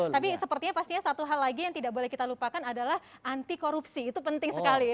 tapi sepertinya pastinya satu hal lagi yang tidak boleh kita lupakan adalah anti korupsi itu penting sekali